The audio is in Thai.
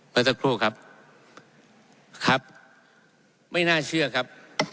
ไปสักครู่ครับครับไม่น่าเชื่อครับ